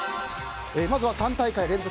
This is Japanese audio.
まずは３大会連続